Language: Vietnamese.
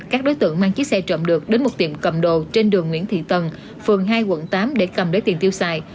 các đối tượng mang chiếc xe trộm được đến một tiệm cầm đồ trên đường nguyễn thị tần phường hai quận tám để cầm lấy tiền tiêu xài